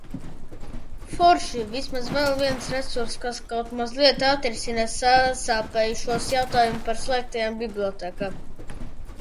Forši, vismaz vēl viens resurss, kas kaut mazliet atrisina sasāpējušos jautājumu par slēgtajām bibliotēkām.